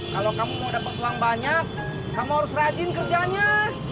kalau kamu mau dapat uang banyak kamu harus rajin kerjanya